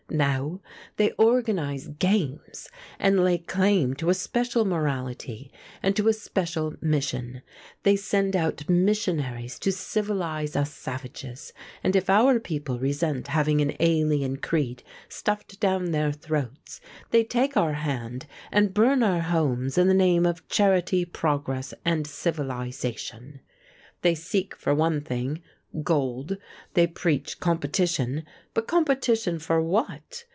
Now they organise games and lay claim to a special morality and to a special mission; they send out missionaries to civilise us savages; and if our people resent having an alien creed stuffed down their throats, they take our hand and burn our homes in the name of Charity, Progress, and Civilisation. They seek for one thing gold; they preach competition, but competition for what?